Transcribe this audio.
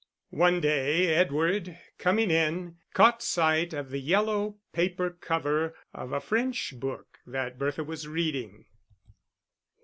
One day, Edward, coming in, caught sight of the yellow paper cover of a French book that Bertha was reading.